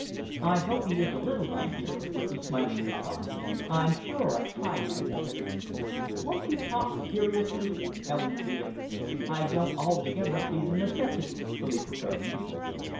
"I hope he is a little, my dear," was the smiling reply. "I'm sure I've tried my best." "Won't you talk seriously?" Helen pleaded. "I don't altogether see the necessity," Philippa protested.